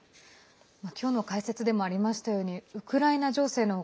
今日の解説でもありましたようにウクライナ情勢の他